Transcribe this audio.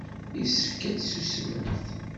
Yessefk ad tsusmemt.